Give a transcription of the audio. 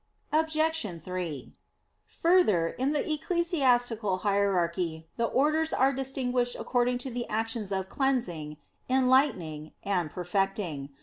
Obj. 3: Further, in the ecclesiastical hierarchy the orders are distinguished according to the actions of "cleansing," "enlightening," and "perfecting."